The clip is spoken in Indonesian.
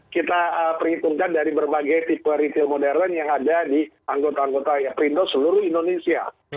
kita perhitungkan dari berbagai tipe retail modern yang ada di anggota anggota perindo seluruh indonesia